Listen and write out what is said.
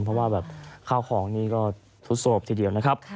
เพราะว่าแบบข้าวของนี่ก็สุดโศกทีเดียวนะครับ